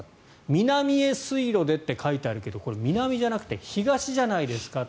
南へ水路でって書いてあるけどこれ、南じゃなくて東じゃないですか。